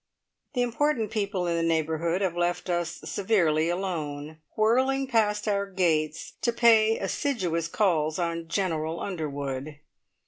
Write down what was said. The important people in the neighbourhood have left us severely alone, whirling past our gates to pay assiduous calls on General Underwood.